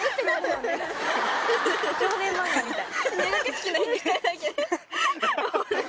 少年漫画みたい。